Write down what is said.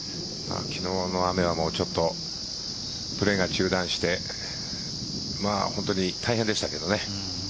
昨日の雨はちょっとプレーが中断して本当に大変でしたけどね。